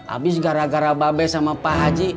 abis gara gara babe sama pak haji